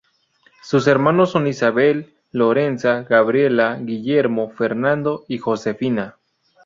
Sus hermanos son Isabel, Lorenza, Gabriela, Guillermo, Fernando y Josefina.